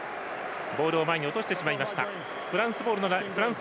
ボールを前に落としてしまいました南アフリカ。